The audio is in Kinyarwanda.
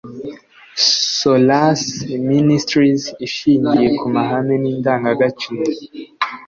Solace Ministries ishingiye ku mahame n indangagaciro